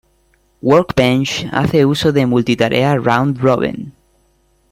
Workbench hace uso de multitarea round robin.